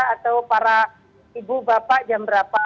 atau para ibu bapak jam berapa